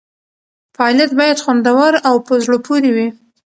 فعالیت باید خوندور او په زړه پورې وي.